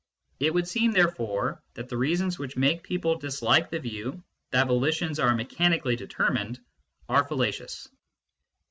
It would seem, therefore, that the reasons which make people dislike the view that volitions are mechanically determined are fallacious.